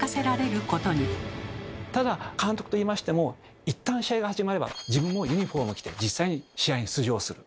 ただ監督と言いましても一旦試合が始まれば自分もユニフォームを着て実際に試合に出場する。